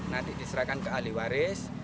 nanti diserahkan ke alihwaris